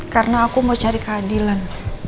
karena aku mau cari keadilan